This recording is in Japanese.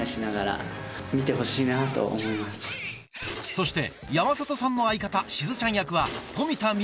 そして山里さんの相方しずちゃん役は富田望